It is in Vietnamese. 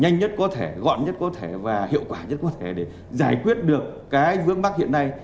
nhanh nhất có thể gọn nhất có thể và hiệu quả nhất có thể để giải quyết được cái vướng mắc hiện nay